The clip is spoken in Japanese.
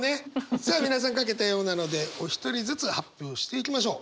じゃあ皆さん書けたようなのでお一人ずつ発表していきましょう。